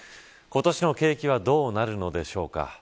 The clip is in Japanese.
今年の景気はどうなるのでしょうか。